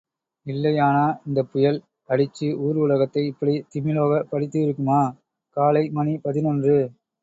இல்லையானா, இந்தப் புயல் அடிச்சு ஊர் உலகத்தை இப்படி திமிலோகப் படுத்தியிருக்குமா? காலை மணி பதினொன்று.